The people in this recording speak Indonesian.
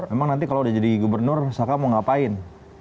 emang nanti kalau udah jadi gubernur saka mau ngapain